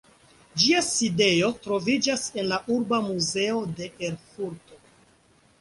Ĝia sidejo troviĝas en la "Urba muzeo" de Erfurto.